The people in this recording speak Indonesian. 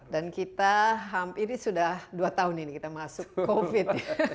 dan kita hampir sudah dua tahun ini kita masuk covid sembilan belas